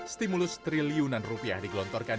stimulus triliunan rupiah digelontorkan